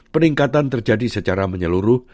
peningkatan terjadi secara menyeluruh